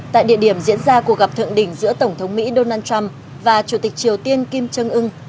tại địa điểm diễn ra cuộc gặp thượng đỉnh giữa tổng thống mỹ donald trump và chủ tịch triều tiên kim trương ưng